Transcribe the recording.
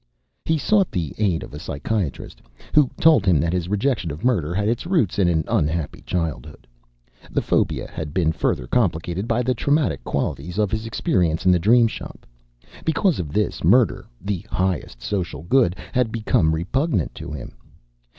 He sought the aid of a psychiatrist, who told him that his rejection of murder had its roots in an unhappy childhood. The phobia had been further complicated by the traumatic qualities of his experience in the Dream Shop. Because of this, murder, the highest social good, had become repugnant to him.